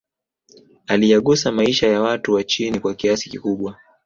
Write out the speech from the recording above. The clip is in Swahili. Aliyagusa maisha ya watu wa chini kwa kiasi kikubwa